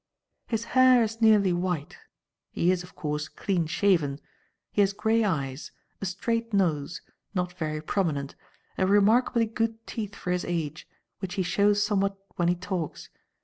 "His hair is nearly white, he is, of course, clean shaven, he has grey eyes, a straight nose, not very prominent, and remarkably good teeth for his age, which he shows somewhat when he talks.